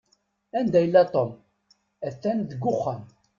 Anda yella Tom? At-an deg uxxam.